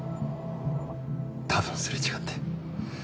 多分擦れ違って。